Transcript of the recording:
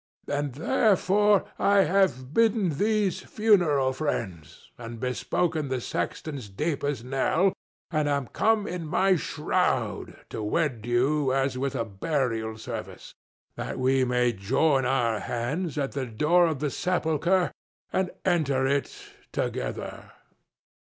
And therefore I have bidden these funeral friends, and bespoken the sexton's deepest knell, and am come in my shroud to wed you as with a burial service, that we may join our hands at the door of the sepulchre and enter it together."